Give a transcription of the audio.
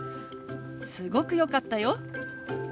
「すごく良かったよ」。